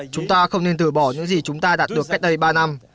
chúng ta không nên từ bỏ những gì chúng ta đạt được cách đây ba năm